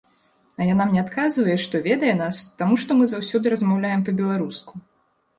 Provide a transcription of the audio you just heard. А яна мне адказвае, што ведае нас, таму што мы заўсёды размаўляем па-беларуску.